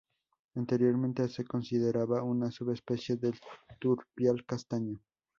Anteriormente se consideraba una subespecie del turpial castaño.